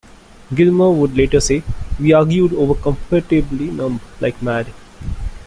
Gilmour would later say, We argued over 'Comfortably Numb' like mad.